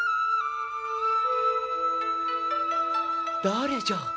誰じゃ！？